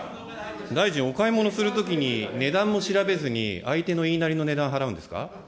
大臣、お買物するときに、値段も調べずに、相手の言いなりの値段、払うんですか。